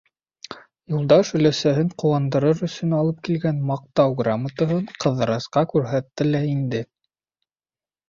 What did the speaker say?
Юлдаш өләсәһен ҡыуандырыр өсөн алып килгән «Маҡтау грамотаһы»н Ҡыҙырасҡа күрһәтте лә инде.